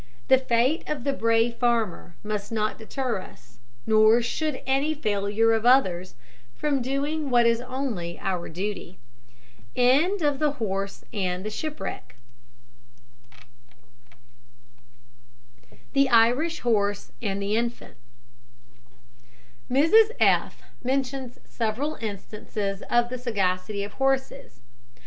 The fate of the brave farmer must not deter us nor should any failure of others from doing what is only our duty. THE IRISH HORSE AND THE INFANT. Mrs F mentions several instances of the sagacity of horses.